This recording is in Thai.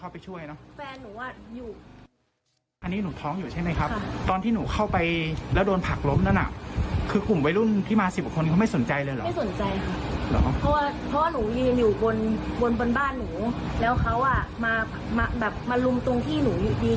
พอหนูเรียนอยู่บนบ้านหนูแล้วเขามาลุมตรงที่หนูเรียนอยู่